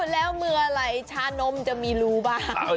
แล้วเมื่อไหร่ชานมจะมีรูบ้าง